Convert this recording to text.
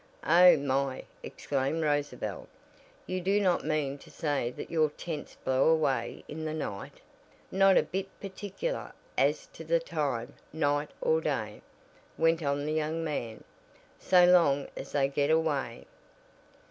"Oh, my!" exclaimed Rosabel, "you do not mean to say that your tents blow away in the night?" "Not a bit particular as to time night or day," went on the young man, "so long as they get away.